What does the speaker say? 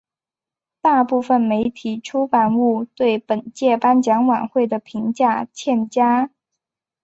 大部分媒体出版物对本届颁奖晚会的评价欠佳。